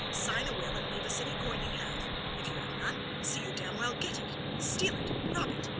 Sign a will and leave us any coin you have! If you have none see you damn well get it, steal it, rob it!